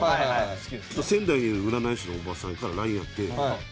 仙台にいる占い師のおばさんからＬＩＮＥあって。